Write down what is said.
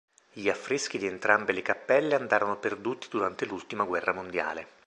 Gli affreschi di entrambe le cappelle andarono perduti durante l'ultima guerra mondiale.